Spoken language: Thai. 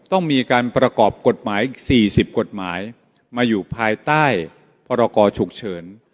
ต้องมีการประกอบกฎหมายอีก๔๐กฎหมายมาอยู่ภายใต้พรกรฉุกเฉิน